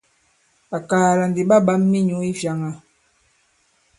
Ɓàkaala ndi ɓa ɓǎm minyǔ i fyāŋā.